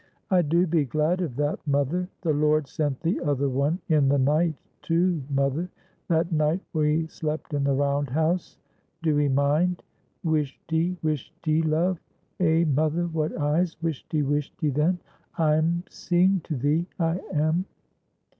"I do be glad of that, mother. The Lord sent the other one in the night, too, mother; that night we slept in the round house. Do 'ee mind? Whishty, whishty, love! Eh, mother, what eyes! Whishty, whishty, then! I'm seeing to thee, I am."